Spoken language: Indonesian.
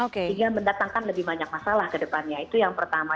sehingga mendatangkan lebih banyak masalah ke depannya itu yang pertama